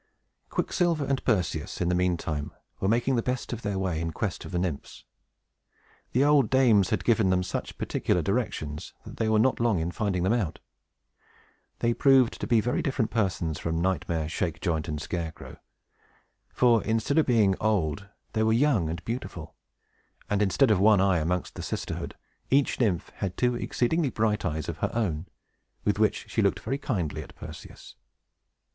Quicksilver and Perseus, in the mean time, were making the best of their way in quest of the Nymphs. The old dames had given them such particular directions, that they were not long in finding them out. They proved to be very different persons from Nightmare, Shakejoint, and Scarecrow; for, instead of being old, they were young and beautiful; and instead of one eye amongst the sisterhood, each Nymph had two exceedingly bright eyes of her own, with which she looked very kindly at Perseus.